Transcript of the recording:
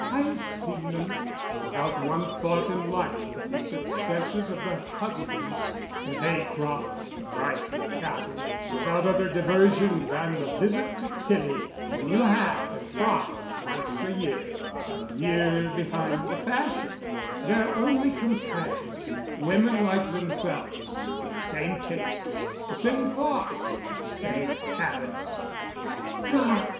"I've seen them." "Without one thought in life but the successes of their husbands—the hay crop, the price of cattle; without other diversion than the visit to Kinney, the new hat and frock once a year (a year behind the fashion); their only companions women like themselves, with the same tastes, the same thoughts, the same habits——" "O God!"